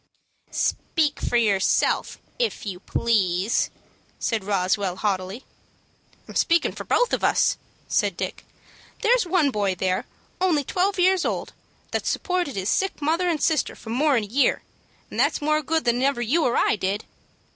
"Speak for yourself, if you please," said Roswell, haughtily. "I'm speakin' for both of us," said Dick. "There's one boy there, only twelve years old, that's supported his sick mother and sister for more'n a year, and that's more good than ever you or I did.